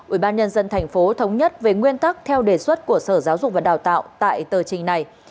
ubnd tp thống nhất về nguyên tắc theo đề xuất của sở giáo dục và đào tạo tại tờ trình này